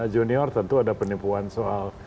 junior tentu ada penipuan soal